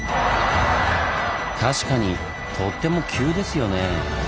確かにとっても急ですよね。